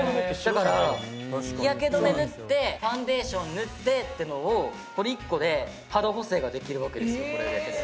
だから日焼け止め塗ってファンデーション塗ってってのをこれ１個で肌補正ができるわけですよ。